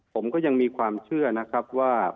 ผมก็ยังมีความเชื่อนะครับว่า